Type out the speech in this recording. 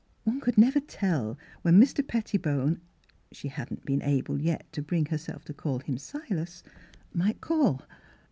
One could nevei tell when Mr. Pettibone (she hadn't been able yet to bring herself to call him Silas) might call.